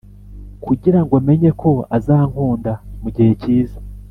kugirango menye ko azankunda mugihe cyiza